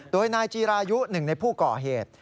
โดยนายจีรายุหนึ่งในผู้ก่อเหตุ